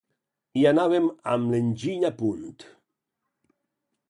Hi anàvem amb l'enginy a punt.